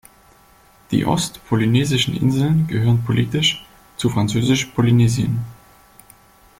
Die ostpolynesischen Inseln gehören politisch zu Französisch-Polynesien.